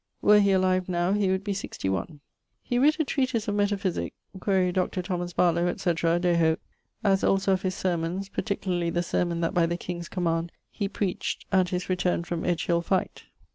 Were he alive now he would be sixty one. He writt a treatise of metaphysique quaere Dr. Barlowe, etc., de hoc: as also of his sermons, particularly the sermon that by the king's command he preached at his returne from Edge hill fight.